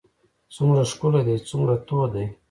څومره ښکلی دی څومره تود دی.